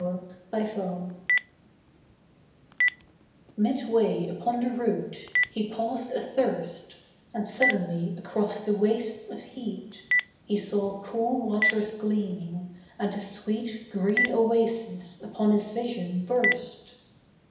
LOVE'S MIRAGE Midway upon the route, he paused athirst And suddenly across the wastes of heat, He saw cool waters gleaming, and a sweet Green oasis upon his vision burst.